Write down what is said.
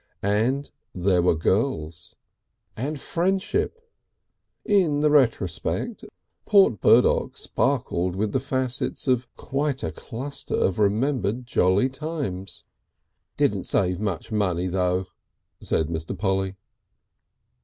And there were girls. And friendship! In the retrospect Port Burdock sparkled with the facets of quite a cluster of remembered jolly times. ("Didn't save much money though," said Mr. Polly.)